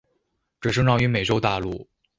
只生长于美洲大陆。